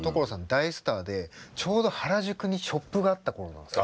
大スターでちょうど原宿にショップがあった頃なんです。